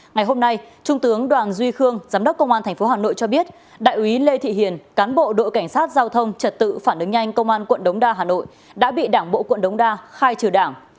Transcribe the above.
ngày hôm nay trung tướng đoàn duy khương giám đốc công an tp hà nội cho biết đại úy lê thị hiền cán bộ đội cảnh sát giao thông trật tự phản ứng nhanh công an quận đống đa hà nội đã bị đảng bộ quận đống đa khai trừ đảng